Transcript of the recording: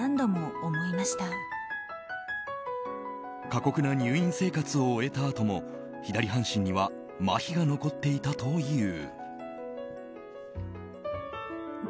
過酷な入院生活を終えたあとも左半身にはまひが残っていたという。